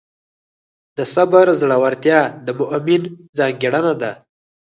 د صبر زړورتیا د مؤمن ځانګړنه ده.